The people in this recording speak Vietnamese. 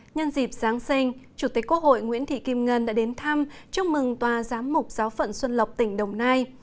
nhân dịp giáng sinh chủ tịch quốc hội nguyễn thị kim ngân đã đến thăm chúc mừng tòa giám mục giáo phận xuân lộc tỉnh đồng nai